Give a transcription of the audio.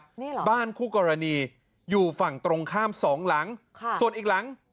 นี่เหรอบ้านคู่กรณีอยู่ฝั่งตรงข้ามสองหลังค่ะส่วนอีกหลัง